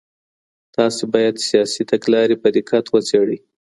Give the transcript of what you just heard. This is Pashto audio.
تاسو بايد سياسي تګلارې په دقت وڅېړئ.